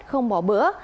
không bỏ bữa